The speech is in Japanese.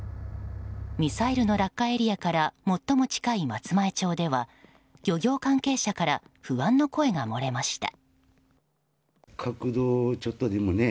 ミサイルの落下エリアから最も近い松前町では漁業関係者から不安の声が漏れました。